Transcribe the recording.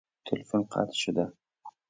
تلفن قطع شده.